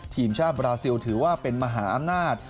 ทีมชาติบราซิลถือว่าเป็นมหาอำนาจ